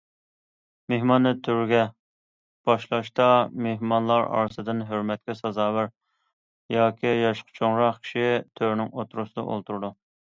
مېھماننى تۆرگە باشلاشتا مېھمانلار ئارىسىدىن ھۆرمەتكە سازاۋەر ياكى ياشقا چوڭراق كىشى تۆرنىڭ ئوتتۇرىسىدا ئولتۇرىدۇ.